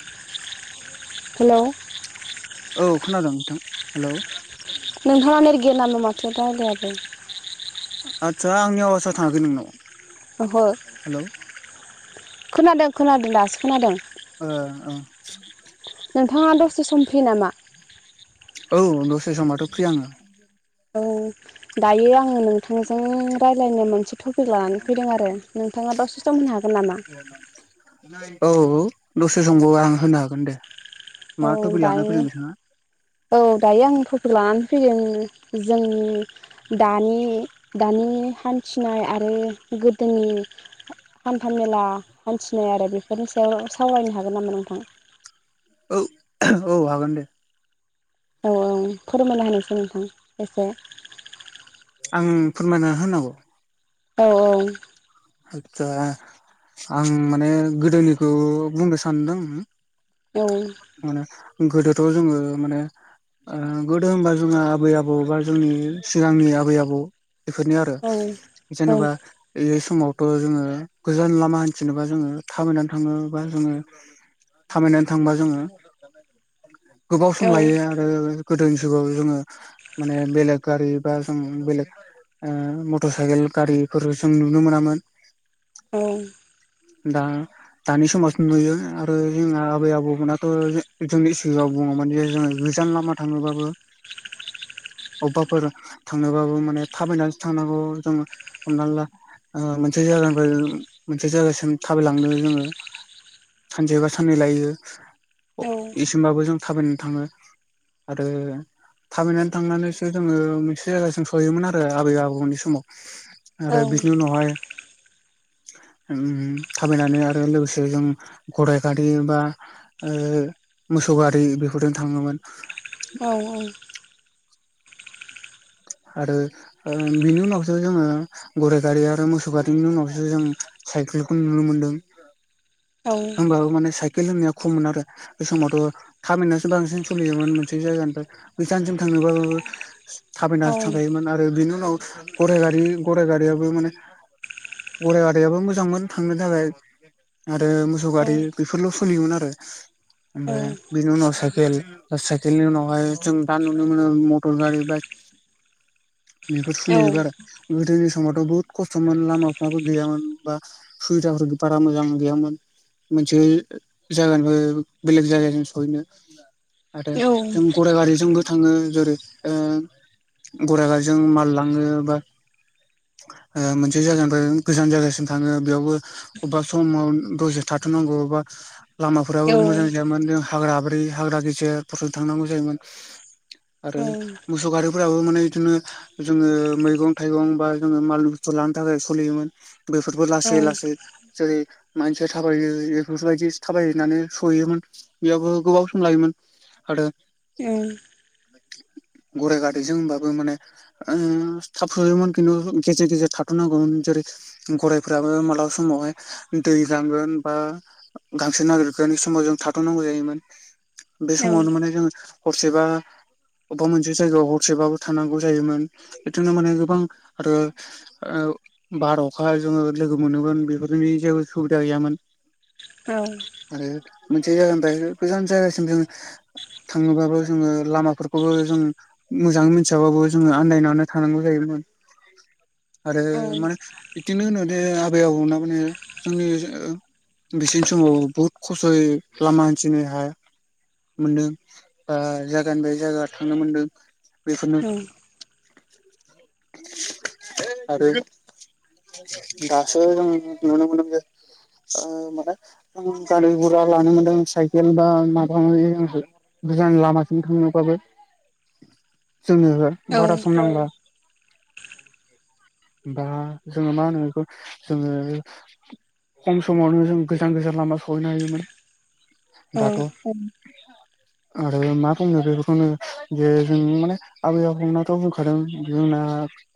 [inaudible] हेल' औ खोनादों नोंथां हेलौ नोंथाङा नेर गैया नामा माथो रायलायाबो आदसा आंनि आवासआ थाङाखै नोंनाव ओहो हेलौ खोनादों खोनादों दासो खोनादों अ नोंथाङा दसे सम फ्रि नामा औ दसे समथ' फ्रि आङो औ दायो आङो नोंथांजों रायज्लायनो मोनसे टपिक लानानै फैदों आरो नोंथाङा दासे सम होनो हागोन नामा [unintelligible] औ दसे समब आं होनो हागोन दे औ मा टपिक लाना दायो फैदों बिथाङा औ दायो आं कपि लानानै फैदों जोंनि दानि दानि हान्थिनाय आरो गोदोनि हान्था मेला हान्थिनाय आरो बेफोरनि सायाव सावरायनो हागोन नामा नोंथां औ औ हागोन दे औ औ फोरमायना होनोसै नोंथां एसे आं फोरमायना होनांगौ औ औ आदसा आं माने गोदोनिखौ बुंनो सानदों औ माने गोदोथ' जोङो माने गोदो होनबा जोंहा आबै आबौ बा जोंनि सिगांनि आबै आबौ बेफोरनि आरो औ जेनेबा बे समावथ' जोङो गोजान लामा हान्थिनोबा जोङो थाबायनानै थाङोबा जोङो थामायनानै थांबा जोङो गोबाव सम लायो आरो गोदोनि जुगाव जोङो माने बेलेग गारि बा जों बेलेग मटर साइकेल गारिफोर जों नुनो मोनामोन औ दा दानि समावसो नुयो आरो जोंहा आबै आबौ गुबुनाथ' जोंनि सिगाङाव बुङोमोन जे जोङो गोजान लामा थाङोबाबो अबेबाफोर थांनोबाबो माने थाबायनानैो थांनांगौ जोङो हमना ला मोनसे जायगानिफ्राय मोनसे जायगासिम थाबायलांदों जोङो सानसेबा साननै लायो औ इसेमबाबो जों थाबायनानै थाङो आरो थाबायनानै थांनानैसो जोङो मोनसे जायगााजों सहैयोमोन आरो आबै आबौमोननि समाव आरो बिनि उनावहाय थाबायनानै आरो लोगोसे जों गराइ गारि बा मोसौ गारि बेफोरजों थाङोमोन औ औ आरो बिनि उनावसो जोङो गराइ गारि आरो मोसौ गारिनि उनावसो जों साइकेलखौ नुनो मोनदों [inaudible] होनोमबाबो माने साइकेल होननाया खममोन आरो बे समावथ' थामिननासो बांसिन सोलियोमोन मोनसे जायगानिफ्राय बैसाननिसिम थांनोबो औ थाबायनानै थांखायोमोन आरो बिनि उनाव गराइ गारि गराइ गारियाबो माने गरायाइ आारिायाबो मोजांमोन थांनो थाखाय आरो मोसौ गारि बेफोरल' सोलियोमोन आरो ओमफ्राय बेनि उनाव साइकेल साइकेलनि उनावहाय जों दा नुनो मोनो मटर गारि बाइक बेफोर थुलिजोबो आरो गोदोनि समावथ' बुहुत खस्थ'मोन लामा फाबो गैयामोन बा सुबिदाफोर बारा मोजां गैयामोन मोनसे जायगानिफ्राय बेलेग जायगाजों सहैनो आरो जों गराइ गारिजोंबो थाङो जेरै गरायगाजजों मालाङो बा मोनसे जायगानिफ्राय गोजान जायगासिम थाङो बेयावबो अबेबा समाव दसे थाथ'नांगौ अबेबा लामाफोराबो मोजां जायामोन जों हाग्रााब्रै हाग्रा गेजेरफोरजों थांनांगौ जायोमोन। आरो मोसौ गारि ाबो माने बिदिनो जोङो मैगं थाइगं बा जोङो माल बुस्थु लानो थाखाय सोलियोमोन। बेफोरबो लासै लासै जेरै मानसिया थाबायो बेफोरबायदि थाबायनानै सहयोमोन। बेयावबो गोबाव सम लायोमोन आरो उम। गरायाइ गाथैजों होमबाबो माने। आ स सम गेजेर गेजेर थाटना गर गरायफ्राबो मालाबा समावहाय दै लांगोन बा गांसो नागिरखानि समाव जों थाथ'नांगौ जायोमोन। बे समावनो माने जोङ हरसेबा अबेबा मोनसे जायगायाव ह सबाबो थानांगौ जायोमोन बिदिनो माने गोबां आरो। बार अखा जोङो लोगो मोनगोन बेफोरनि जेबो सुबिदा गैयामोन। औ। आरो मोनसे जायगानिफ्राय गोजान जायगासिम जोङो। थाङोबाबो जोङो लामाफोरखौबो जों मोजाङै मिथियाबाबो जोङो आन्दायनानैनो थानांगौ जायोमोन आरो माने बिदिनो होनो दे आबै आबौ माने जोंनि बिसिनि समाव बुहुत खस्थ'यै लामा हान्थिनो हाया मोनदों बा जायगानिफ्राय जायगा थांनो मोनदों बेखौनो [inaudible] आरो दास नुनो मोनो। माने गारि गुरा लानो मोनदों साइकेल बा माबा माबि गोजां लामासिम थांनोबाबो जोंनो बारा सम नां [inaudible] बा जोङो मा होनो बेखौ जोङो। खम समावनो जों गोजान गोजान लामा सहैनो हायोमोन। आरो माखौम ज जों माने आबै आबौमोननाथ' बुंखादों जोंना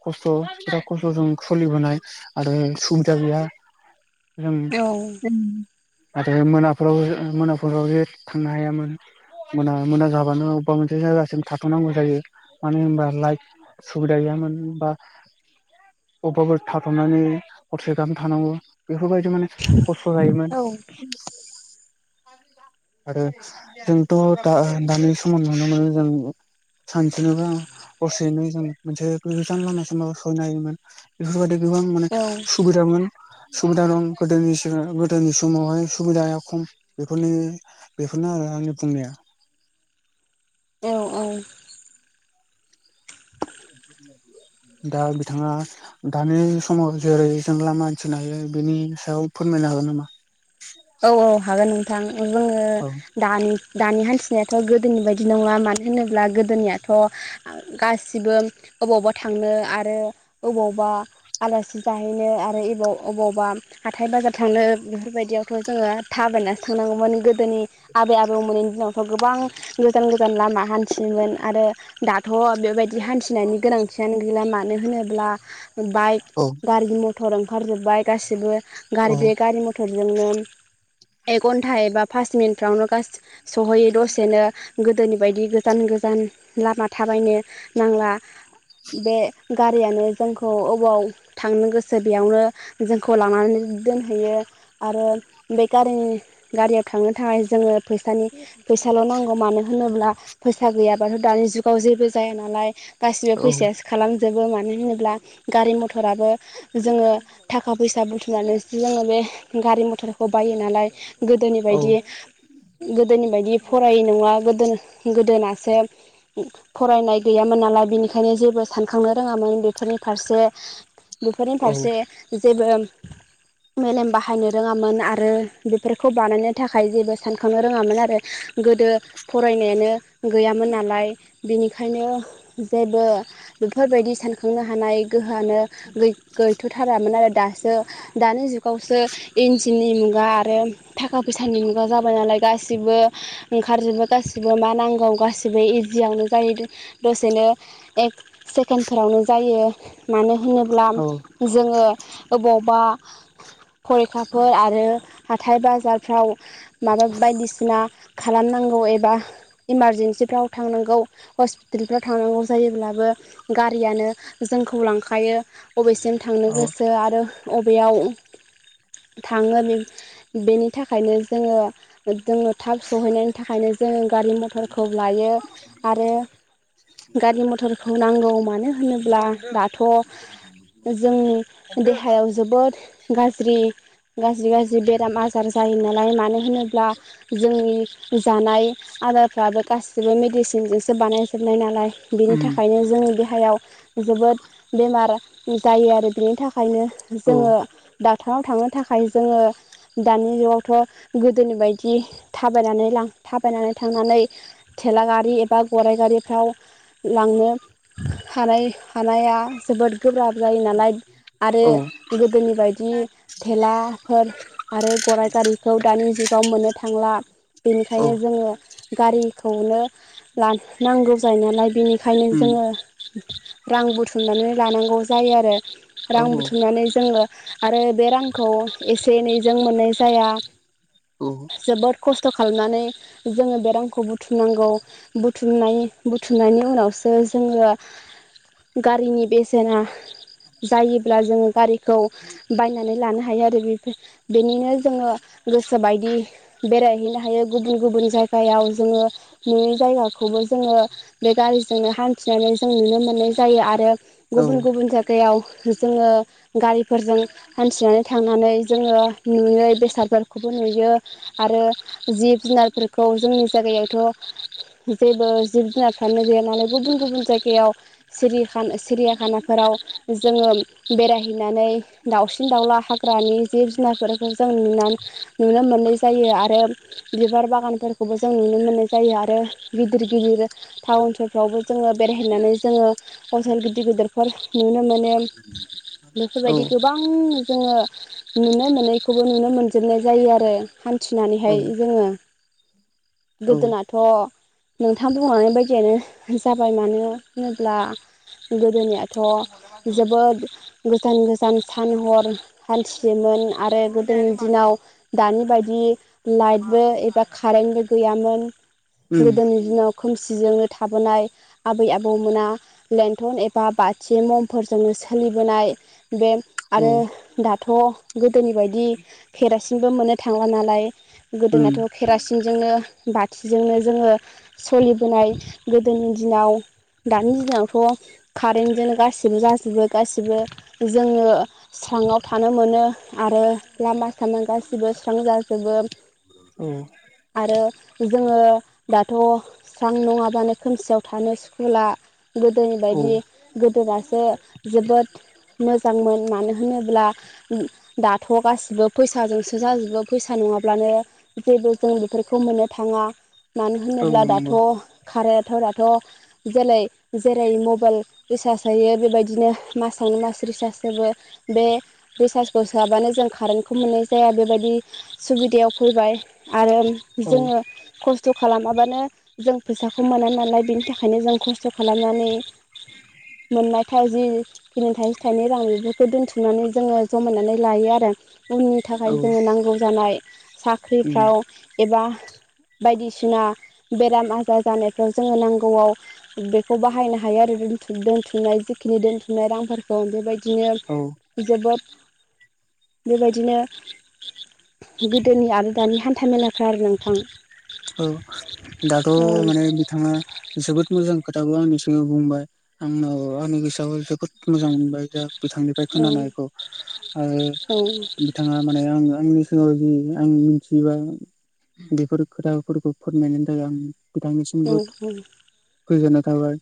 खस्थ' बिराद खस्थ'जों सोलिबोनाय आरो सुबिदा गैया। [inaudible] आरो मोनाफोराव मोनाफोराव ज थांनो हायामोन। मोना मोना जाबानो अबेबा मोनसे जासिनो थ सनांगौ जायो मानो होनबा लाइट सुबिदा गैयामोन बा अबेबाबो थाथ'नानै हरसे गाम थानांगौ बेफोरबायदि माने खस्थ' जायोमोन आरो जोंथ' द दानि समाव नुनो मोनो जों सानसिनोबा दसेनो जों मोनसे गोजान लामा साबो सहैनो होमोन। बेफोरबायादि गोबां माने सुबिदामोन। सुबिदा दं गोदनि गोदोनि समावहाय सुबिदाया खम बेफोरनि। बेखौनो आरो आंनि बुंनाया औ औ। दा बिथाङा। दानि समाव जेरै जों लामा हान्थिनो हायो बेनि सायाव फोरमायनो हागोन नामा औ औ हागोन नोंथां जोङो औ दानि दानि हान्थिनायाथ' गोदोनि बायदि नंला मानो होनोब्ला गोदोनियाथ' गासिबो अबावबा थांनो आरो अबावबा आलासि जाहैनो आरोबाव अबावबा हाथाय बाजार थांनो बेफोरबायदियाव खौ जोङो थाबायनानैसो थांनांगौमोन गोदोनि आबै आबौ मोननि दिनाव गोबां गोजान गोजान लामा हान हान्थियोमोन आरो दाथ' बेबायदि हान्थिनायनि गोनांथियानो गैला मानो होनोब्ला बाइक औ गारि मथर ओंखारजोबबाय गासिबो औ गारि बे गारि मथरजोंनो एक घन्टा एबा पास मिनिटफ्रावनो गासै सहैयो दसेनो गोदोनि बायदि गोजान गोजान लामा थाबायनो नांला बे गारियानो जोंखौ अबाव थांनो गोसो बेयावनो जोंखौ लनानै दोनहैयो आरो बे गारिनि गारियाव थांनो थाखाय जोङो फैसानि फैसाल' नांगौ मानो होनोब्ला फैसा गैयाबाथ' दानि जुगाव जेबो जाया नालाय गासिबो औ फैसायासो खालामजोबो मानो होनोब्ला गारि मथराबो जोङो थाखा फैसा बुथुमनानै जोङो बे गारि मथरखौ बायो नालाय गोदोनि औ बायदि गोदोनि बायदि फरायै नङा गोदो गोदोनासो फरायनाय गैयामोन नालाय बिनिखायनो जेबो सानखांनो रोङामोन बेफोरनि फारसे बेफोरनि औ फारसे जेबो मेलेम बाहायनो रोङामोन आरो आरो बेफोरखौ बानायनो थाखाय जेबो सानखांनो रोङामोन आरो गोदो फरायनायानो गैयामोन नालाय बेनिखायनो जेबो बेफोरबायदि सानखांनो हानाय गोहोआनो गैथ'थारामोन आरो दासो दानि जुगावसो इन्जिननि मुगा आरो थाखा फैसानि मुगा जाबाय नालाय गासैबो ओंखारजोबो गासैबो मा नांगौ गासिबो इजियावनो जायो दसेनो एक सेकेन्डफोरावनो जायो मानो होनोब्ला औ जोङो अबावबा फरिखाफोर आरो हाथाय बाजारफ्राव माबा बायदिसिना खालामनांगौ एबा इमारजेनसिफ्राव थांनांगौ हस्पिटालफ्राव थांनांगौ जायोब्लाबो गारियानो जोंखौ लांखायो बबेसिम थांनो औ गोसो आरो बबेयाव थाङो बे बेनि थाखायनो जोङो जोङो थाब सहैनायनि थाखायनो जोङो गारि मथरखौ लायो आरो गारि मथरखौ नांगौ मानो होनोब्ला दाथ' जोंनि देहायाव जोबोद गाज्रि गाज्रि गाज्रि जि बेराम आजार जायो नालाय मानो होनोब्ला जोंनि जानाय आदारफ्राबो गासिबो मेडिसिनजोंसो बानायजोबनाय नालाय बिनि उम थाखायनो जोंनि देहायाव जोबोद बेमार जायो आरो बेनि थाखाय थाखायनो औ जोङो ड'क्टराव थांनो थाखाय जोङो दानि जुगावथ' गोदोनि बायदि थाबायनानै थाबायनानै थांनानै थेला गारि एबा गराइ गारिफ्राव लांनो हानाय हानाया जोबोद गोब्राब जायो नालाय आरो औ गोदोनि बायदि थेलाफोर आरो गराइ गारिखौ दानि जुगाव मोननो थांला औ बेनिखायनो जोङो गारिखौनो नांगौ जायो नालाय बिनि ओंखायनो उम जोङो रां बुथुमनानै लानांगौ जायो आरो रां औ औ बुथुमनानै जोङो आरो बे रांखौ एसे एनैजों मोननाय जाया औ जोबोद खस्थ' खालामनानै जोङो बे रांखौ बुथुमनांगौ। बुथुमनाय बुथुमनायनि उनावसो जोङो गारिनि बेसेना जायोब्ला जोङो गारि खौ बायनानै लानो हायो आरो बेफोर बेनिनो जोङो गोसो बायदि बेरायहैनो हायो गुबुन गुबुन जायगायाव जोङो नुयिनि जायगाखौबो जोङो बे गारिजोंनो हान्थिनानै जों नुनो मोननाय जायो आरो औ गुबुन गुबुन जागायाव जोङो गारिफोरजों हान्थिनानै थांनानै जोङो नुयै बेसादफोरखौबो नुयो आरो जिब जुनारफोरखौ जोंनि जागायावथ' जेबो जिब जुनार थानो गैया नालाय गुबुन गुबुन जायगायाव सिरिखान सिरियाखानाफोराव जोङो बेरायहैनानै दाउसिन दाउला हाग्रानि जिब जुनारफोर खौ जों नुना नुनो मोननाय जायो आरो बिबार बागानफोरखौबो जों नुनो मोननाय जायो आरो गिदिर गिदिर टाउन सहफ्रावबो जोङो बेरायहैनानै जोङो हटेल गिदिर गिदिरफोर नुनो मोनो। बेफोर औ बायदि गोबां जोङो नुनो मोनैखौबो नुनो मोनजोबनाय जायो आरो। औ हान्थिनानैहाय जोङो गोदोनाथ' नोंथां बुंलांनाय बायदियानो जाबाय मानो होनोब्ला गोदोनियाथ' जोबोद गोजान गोजान सान हर हान्थियोमोन आरो गोदोनि दिनाव दानि बायदि लाइटबो एबा कारेन्टबो गैयामोन। उम गोदोनि दिनाव खोमसिजोंनो थाबोनाय आबै आबौमोना लेन्थन एबा बाथि ममफोरजोंनो सोलिबोनाय बे औ आरो दाथ' गोदोनि बायदि केरासिनबो मोननो थांला नालाय उम गोदोथ' पेरासिनजोंनो बाथिजोंनो जोङो सलिबोनाय गोदोनि दिनाव दानि दिनावथ' कारेन्टजोंनो गासिबो जाजोबो गासिबो जोङो स्राङाव थानो मोनो। आरो लामा सामा गासिबो स्रां जाजोबो। औ आरो जोङो दाथ' स्रां नङाबानो खोमसियाव थानो सुखुला गोदोनि औ बायदि गोदोनासो जोबोद मोजांमोन मानो होनोब्ला दाथ' थ' गासिबो फैसाजोंसो जाजोबो फैसा नङाब्लानो जेबो जों बेफोरखौ मोननो थाङा मानो औ होनोब्ला दाथ' नंगौ खारायाथ' दाथ' जेलै जेरै मबेइल रिसार्ज सोयो बेबायदिनो मासावनो मास रिसार्ज जोबो बे रिसार्जखौ सोआबानो जों जों कारेन्टखौ मोननाय जाया बेबायदि सुबिदायाव फैबाय आरो औ जोङो खस्थ' खालामाबानो जों फैसाखौ मोना नालाय बिनि थाखायनो जों खस्थ' खालामनानै मोननायखाय जि बिदिनो थाइसे थाइनै रां बेफोरखौ दोनथुमनानै जोङो जमायनानै लायो आरो। उननि औ थाखाय जोङो नांगौ जानाय उम साख्रिफ्राव एबा बायदिसिना बेराम आजार जानायफ्राव जोङो नांगौआव बेखौ बाहायनो हायो आरो बे बुथु-दोनथुमनाय जिखिनि दोनथुमनाय रांफोरखौ बेबायदिनो औ। जोबोद बेबायदिनो गोदोनि आरो दानि हान्था मेलाफ्रा आरो नोंथां। औ दाथ' औ माने बिथाङा जोबोद मोजां खोथाखौ आंनि सिगाङाव बुंबाय आंनाव आंनि गोसोआबो जोबोद मोजां मोनबाय। दा बिथांनिफ्राय खोनानायखौ ओ बिथाङा माने आंङो आंनि सिगाङाव जि आं मिथियोबा बेफोर खोथाफोरखौ फोरमायनायनि थाखाय आं बिथांनिसिमबो गोजोननाय थाबाय।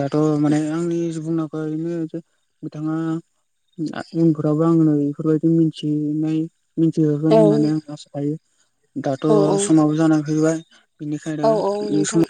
दाथ' माने आंनि बुंनांगौवा बेनो जे बिथाङा उनफोरावबो आंनो इफोरबायदि मिथिनाय। मिथिहोगोन औ होननानै आं आसा थायो। दाथ' औ समाबो जाना फैबाय। इनिखायनो औ औ इ नोंथां समाव